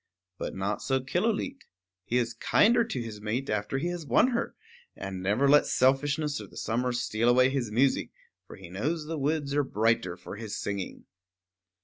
But not so Killooleet. He is kinder to his mate after he has won her, and never lets selfishness or the summer steal away his music; for he knows that the woods are brighter for his singing.